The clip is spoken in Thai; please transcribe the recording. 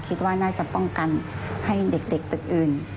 คิดว่าน่าจะป้องกันให้เด็กตึกอื่น